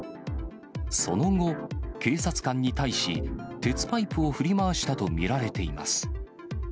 その後、警察官に対し、鉄パイプを振り回したと見られています。